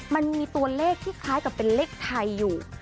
มันมีตัวเลขที่คล้ายกับเป็นเลขไทยอยู่